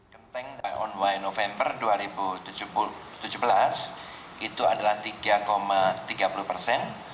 kenteng on y november dua ribu tujuh belas itu adalah tiga tiga puluh persen